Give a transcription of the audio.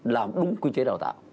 làm đúng quy chế đào tạo